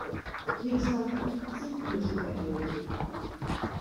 Kriegswaffen sind nicht erhältlich.